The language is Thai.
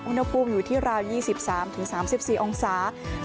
อุณหภูมิอยู่ที่ราว๒๓๓๔องศา